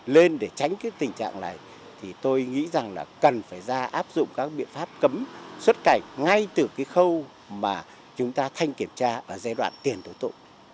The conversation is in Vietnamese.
lên để tránh cái tình trạng này thì tôi nghĩ rằng là cần phải ra áp dụng các biện pháp cấm xuất cảnh ngay từ cái khâu mà chúng ta thanh kiểm tra ở giai đoạn tiền đối tượng